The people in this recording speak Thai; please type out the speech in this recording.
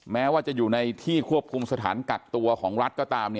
แม้ว่าจะอยู่ในที่ควบคุมสถานกักตัวของรัฐก็ตาม